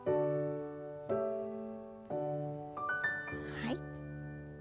はい。